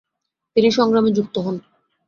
তিনি সংগ্রামে যুক্ত হন।